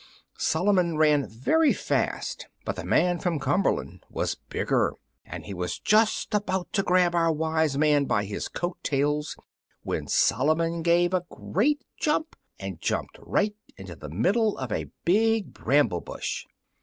Solomon ran very fast, but the man from Cumberland was bigger, and he was just about to grab our wise man by his coat tails when Solomon gave a great jump, and jumped right into the middle of a big bramble bush!